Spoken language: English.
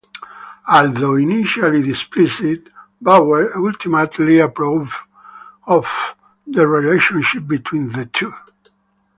Although initially displeased, Bauer ultimately approved of the relationship between the two.